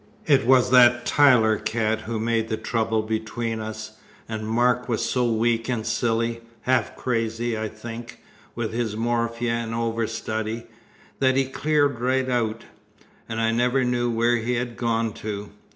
It was that Tyler cat who made the trouble between us, and Mark was so weak and silly half crazy, I think, with his morphia and over study that he cleared right out, and I never knew where he had gone to.